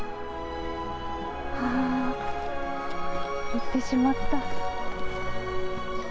あー、行ってしまった。